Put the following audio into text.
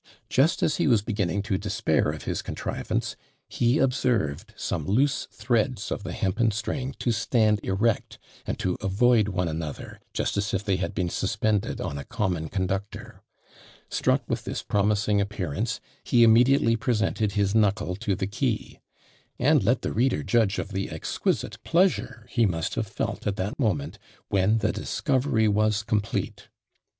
Just as he was beginning to despair of his contrivance, he observed some loose threads of the hempen string to stand erect, and to avoid one another, just as if they had been suspended on a common conductor. Struck with this promising appearance, he immediately presented his knuckle to the key! And let the reader judge of the exquisite pleasure he must have felt at that moment when the discovery was complete!